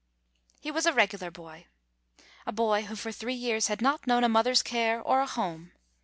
He was a regular boy — a boy who, for three years, had not known a mother's care or a home.